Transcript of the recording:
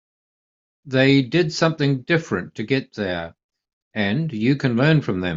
They did something different to get there and you can learn from them.